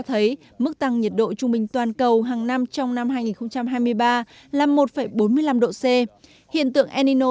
thấy mức tăng nhiệt độ trung bình toàn cầu hàng năm trong năm hai nghìn hai mươi ba là một bốn mươi năm độ c hiện tượng enino